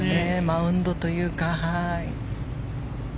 マウンドというか。